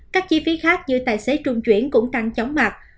các chi phí khác như tài xế trung chuyển cũng tăng chóng mặt